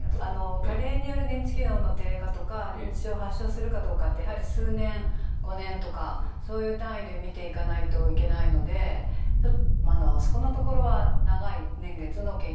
加齢による認知機能の低下とか認知症を発症するかどうかってやはり数年５年とかそういう単位で見ていかないといけないのでまだそこのところは長い年月の研究が必要になるということになります。